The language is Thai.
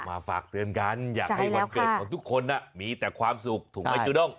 ฝากเตือนกันอยากให้วันเกิดของทุกคนมีแต่ความสุขถูกไหมจูด้ง